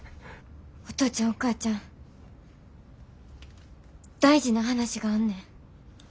お父ちゃんお母ちゃん大事な話があんねん。